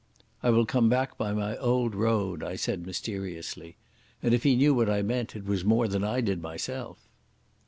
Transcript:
"I will come back by my old road," I said mysteriously; and if he knew what I meant it was more than I did myself.